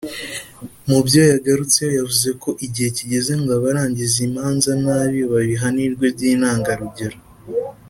mu byo yagarutseho yavuze ko igihe kigeze ngo abarangiza imanza nabi babihanirwe by’intangarugero